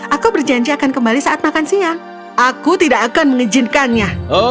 aku berjanji akan kembali saat makan siang aku tidak akan mengizinkannya